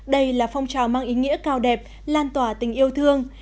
đây là phong trào mang ý nghĩa cao đẹp lan tỏa tình yêu thương